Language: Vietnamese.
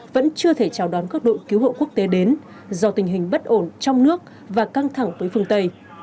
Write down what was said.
vẫn chưa thể chào đón các đội cứu hộ quốc tế đến do tình hình bất ổn trong nước và căng thẳng với phương tây